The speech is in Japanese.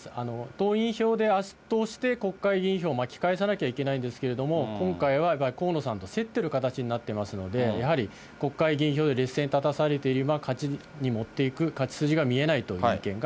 党員票で圧倒して国会議員票を巻き返さなきゃいけないんですけれども、今回は河野さんと競ってる形になってますので、やはり国会議員票で劣勢に立たされている今、勝ちに持っていく、勝ち筋が見えないという意見が。